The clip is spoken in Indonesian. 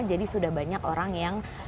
jadi sudah banyak orang yang